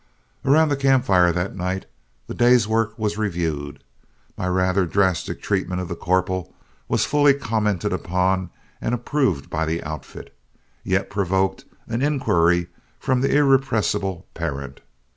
Around the camp fire that night, the day's work was reviewed. My rather drastic treatment of the corporal was fully commented upon and approved by the outfit, yet provoked an inquiry from the irrepressible Parent.